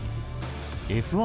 Ｆ１